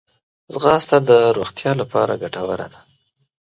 ځغاسته د روغتیا لپاره ګټوره ده